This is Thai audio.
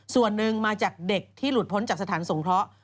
ส่วนหนึ่งมาจากเด็กที่หลุดพ้นจากสถานสงเคราะห์